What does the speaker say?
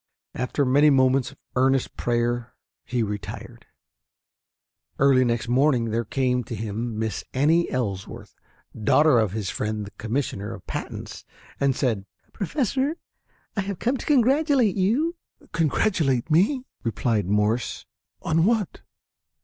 After many moments of earnest prayer he retired. Early next morning there came to him Miss Annie Ellsworth, daughter of his friend the Commissioner of Patents, and said, "Professor, I have come to congratulate you." "Congratulate me!" replied Morse. "On what?"